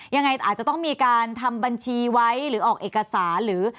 ยังไงอาจจะต้องมีการทำบัญชีไว้หรือออกเอกสารหรือ